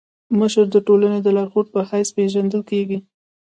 مشر د ټولني د لارښود په حيث پيژندل کيږي.